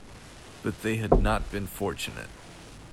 But they had not been fortunate.